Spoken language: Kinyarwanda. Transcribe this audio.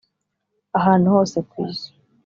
ahantu hose ku isi.